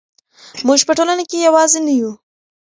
موږ په ټولنه کې یوازې نه یو.